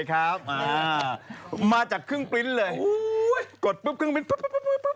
ครับอ่ามาจากเครื่องปริ้นต์เลยโอ้ยกดปุ๊บเครื่องปริ้นต์ปุ๊บปุ๊บปุ๊บปุ๊บ